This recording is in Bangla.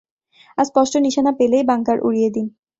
আর স্পষ্ট নিশানা পেলেই, বাঙ্কার উড়িয়ে দিন।